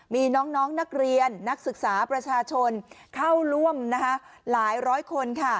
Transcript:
มีน้องนักเรียนนักศึกษาประชาชนเข้าร่วมหลายร้อยคน